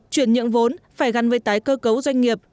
chuyển nhượng vốn phải gắn với tái cơ cấu doanh nghiệp